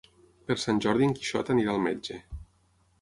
Per Sant Jordi en Quixot anirà al metge.